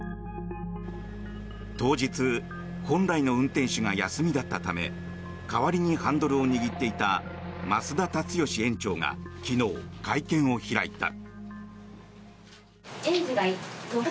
当日本来の運転手が休みだったため代わりにハンドルを握っていた増田立義園長が昨日、会見を開いた。